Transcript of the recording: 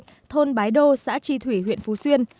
thôn bái đô xã tri thủy huyện phú xuyên